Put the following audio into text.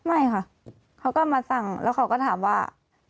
ไม่ค่ะเขาก็มาสั่งแล้วเขาก็ถามว่า